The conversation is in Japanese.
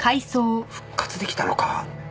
復活出来たのか？